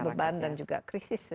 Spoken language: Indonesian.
beban dan juga krisis